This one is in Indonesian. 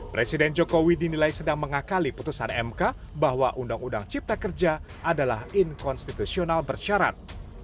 presiden jokowi dinilai sedang mengakali putusan mk bahwa undang undang cipta kerja adalah inkonstitusional bersyarat